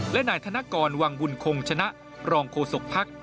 และนายธนกรวังบุญคงชนะรองโฆษกภักดิ์